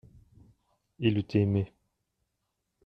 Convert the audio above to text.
Il eut aimé.